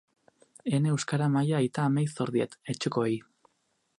Ene euskara maila aita-amei zor diet, etxekoei.